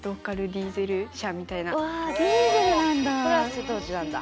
これは瀬戸内なんだ。